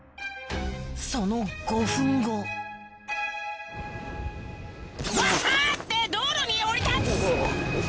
その５分後バサって道路に降り立つ！